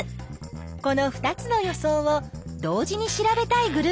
この２つの予想を同時に調べたいグループがあったよ。